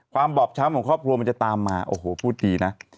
บอบช้ำของครอบครัวมันจะตามมาโอ้โหพูดดีนะ